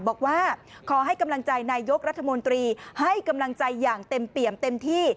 บอกว่าขอให้กำลังใจนายกรัฐมนตรีให้กำลังใจอย่างเต็มเปี่ยมเต็มที่